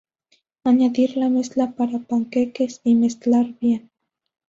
Añadir la mezcla para panqueques y mezclar bien.